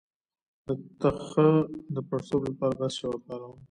د تخه د پړسوب لپاره باید څه شی وکاروم؟